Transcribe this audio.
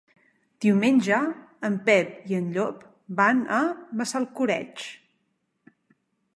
Diumenge en Pep i en Llop van a Massalcoreig.